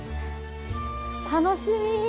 楽しみ！